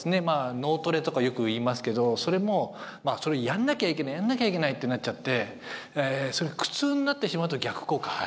脳トレとかよく言いますけどそれもまあ「それやんなきゃいけないやんなきゃいけない」ってなっちゃってそれ苦痛になってしまうと逆効果っていうことはあると思うんですね。